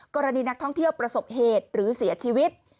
กรณีนักท่องเที่ยวประสบเหตุหรือเสียชีวิต